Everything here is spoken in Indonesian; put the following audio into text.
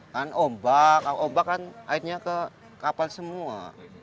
kan ombak ombak kan airnya ke kapal semua